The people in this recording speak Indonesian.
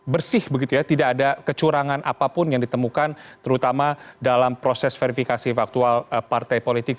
bersih begitu ya tidak ada kecurangan apapun yang ditemukan terutama dalam proses verifikasi faktual partai politik